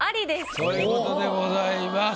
そういう事でございます。